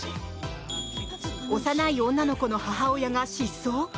幼い女の子の母親が失踪？